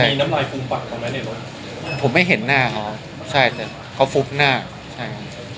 มีน้ำลายฟูมปากเอาไว้ในรถผมไม่เห็นหน้าเขาใช่แต่เขาฟุบหน้าใช่